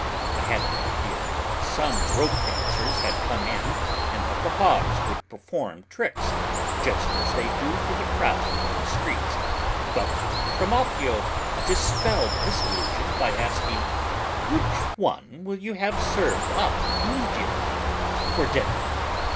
I had an idea that some rope dancers had come in and that the hogs would perform tricks, just as they do for the crowd on the streets, but Trimalchio dispelled this illusion by asking, "Which one will you have served up immediately, for dinner?